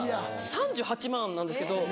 ３８万なんですけど。